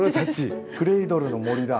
クレードルの森だ。